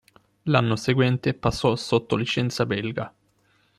L'anno seguente passò sotto licenza belga.